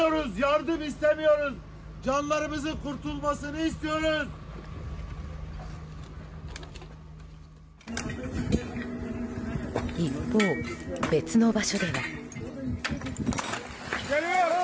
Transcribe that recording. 一方、別の場所では。